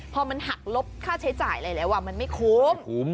พอมันหักลบค่าใช้จ่ายอะไรแล้วมันไม่คุ้ม